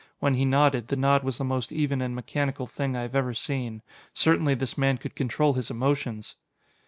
When he nodded, the nod was the most even and mechanical thing I have ever seen. Certainly this man could control his emotions!